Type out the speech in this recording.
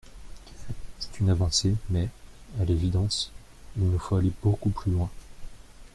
C’est une avancée mais, à l’évidence, il nous faut aller beaucoup plus loin.